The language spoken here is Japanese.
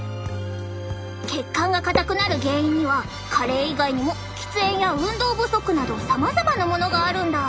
血管が硬くなる原因には加齢以外にも喫煙や運動不足などさまざまなものがあるんだ。